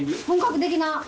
本格的な。